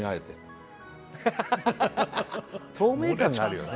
透明感があるよね。